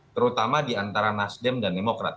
terutama di antara nasdem dan demokrat